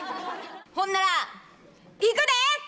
ほんならいくで！